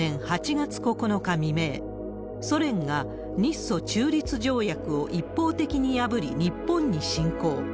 未明、ソ連が日ソ中立条約を一方的に破り、日本に侵攻。